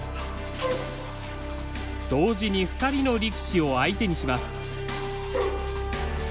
同時に２人の力士を相手にします。